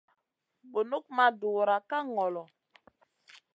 Bunuk ma dura ka ŋolo.